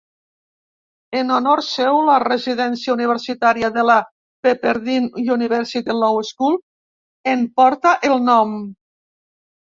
En honor seu la residència universitària de la Pepperdine University Law School en porta el nom.